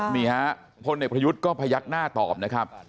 นี่ครับพลเนพยุทธก็พยักหน้าตอบนะครับ